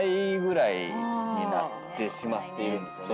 なってしまっているんですよね。